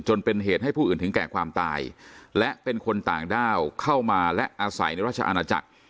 จนเป็นเหตุให้ผู้อื่นถึงแก่ความตายและเป็นคนต่างด้าวเข้ามาและอาศัยในราชอาณาจักร